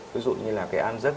ví dụ như là cái an dất